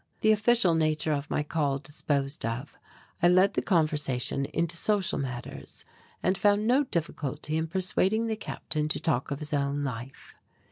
The official nature of my call disposed of, I led the conversation into social matters, and found no difficulty in persuading the Captain to talk of his own life.